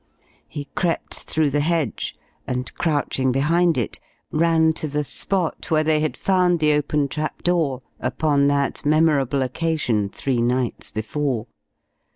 He crept through the hedge and crouching behind it ran to the spot where they had found the open trap door upon that memorable occasion three nights before.